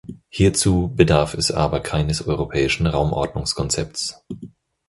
Hierzu bedarf es aber keines europäischen Raumordnungskonzepts.